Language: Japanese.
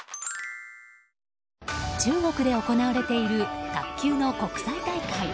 中国で行われている卓球の国際大会。